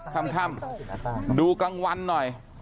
ค่ำดูกลางวันหน่อย